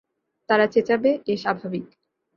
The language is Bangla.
তারা চেঁচাবে, এ স্বাভাবিক।